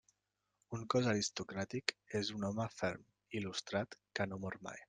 Un cos aristocràtic és un home ferm i il·lustrat que no mor mai.